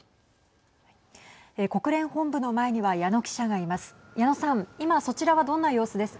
国連本部の前には矢野記者がいます。